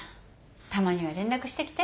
たまには連絡してきて。